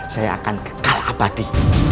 saya akan kekal abadi